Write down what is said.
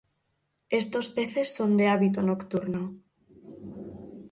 Estos peces son de hábito nocturno.